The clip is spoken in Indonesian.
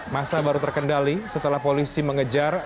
masa baru terkendali setelah polisi mengejar